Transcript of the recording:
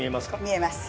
見えます。